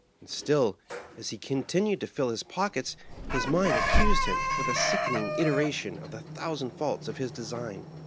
And still, as he continued to fill his pockets, his mind accused him, with a sickening iteration, of the thou sand faults of his design.